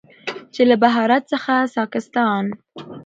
چې له بهارت څخه ساکستان،